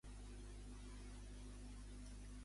I què és Alta Life Sciences?